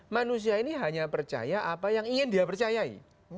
manusia ini hanya percaya apa yang ingin dia percayai